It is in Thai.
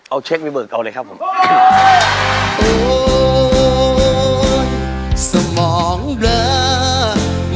เอาเช็ควิเบิกเอาเลยครับผม